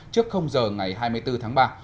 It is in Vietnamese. trước giờ ngày hai mươi bốn tháng ba